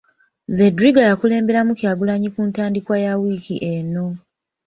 Zedriga yakulemberamu Kyagulanyi ku ntandikwa ya wiiki eno.